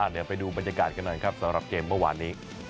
เดี๋ยวดูบรรยากาศกันนั้นสำหรับเกมเมื่อวาน